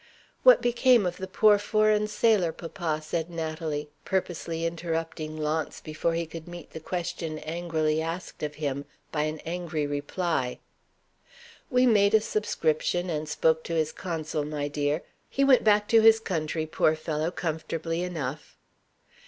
"What became of the poor foreign sailor, papa?" said Natalie, purposely interrupting Launce before he could meet the question angrily asked of him, by an angry reply. "We made a subscription, and spoke to his consul, my dear. He went back to his country, poor fellow, comfortably enough."